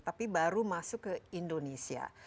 tapi baru masuk ke indonesia